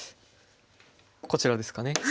こちらですかね。